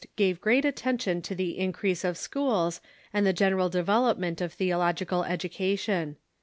gave great attention to the increase of schools and the general develop ment of theological education.